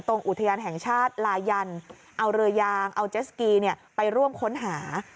อุทยานแห่งชาติลายันเอาเรือยางเอาเจสกีไปร่วมค้นหา